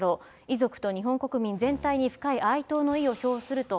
遺族と日本国民全体に深い哀悼の意を表すると。